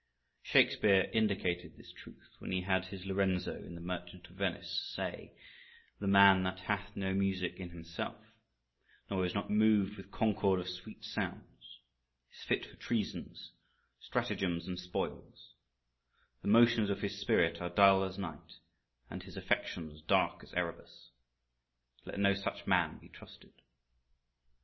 Shakespeare indicated this truth when he had his Lorenzo, in the Merchant of Venice, say: _"The man that hath no music in himself, Nor is not moved with concord of sweet sounds, Is fit for treasons, stratagems and spoils; The motions of his spirit are dull as night, And his affections dark as Erebus; Let no such man be trusted."